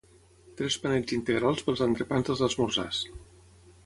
Tres panets integrals pels entrepans dels esmorzars